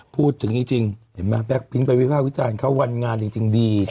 พูดถึงจริงเห็นไหมแบ็คพิ้นไปวิภาควิจารณ์เขาวันงานจริงดี